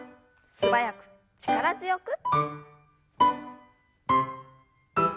素早く力強く。